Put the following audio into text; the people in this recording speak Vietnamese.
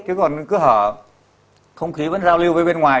chứ còn cứ hở không khí vẫn giao lưu với bên ngoài